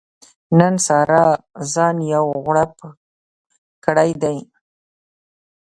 نن سارا ځان یو غړوپ کړی دی.